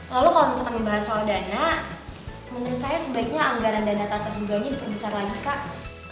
lalu kalau misalkan membahas soal dana menurut saya sebaiknya anggaran dana tak terduganya diperbesar lagi kak